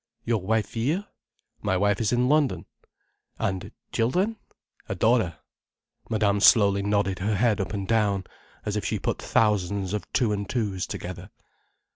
"Your wife here?" "My wife is in London." "And children—?" "A daughter." Madame slowly nodded her head up and down, as if she put thousands of two and two's together.